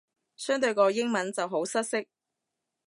相對個英文就好失色